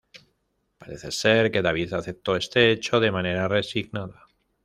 Parece ser que David aceptó este hecho de manera resignada.